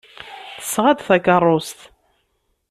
Tesɣa-d takeṛṛust.